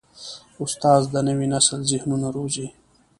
استاد د نوي نسل ذهنونه روزي.